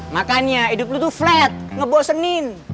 makanya hidup lu tuh flat ngebosenin